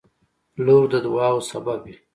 • لور د دعاوو سبب وي.